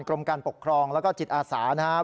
กรมการปกครองแล้วก็จิตอาสานะครับ